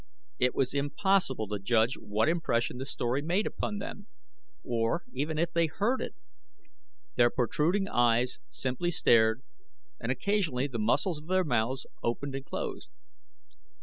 It was impossible to judge what impression the story made upon them, or even if they heard it. Their protruding eyes simply stared and occasionally the muscles of their mouths opened and closed.